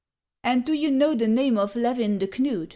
" And do you know the name of Levin de Knud